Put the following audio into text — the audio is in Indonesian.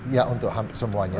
ya untuk hampir semuanya